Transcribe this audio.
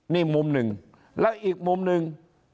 นี่มุมหนึ่งแล้วอีกมุมหนึ่ง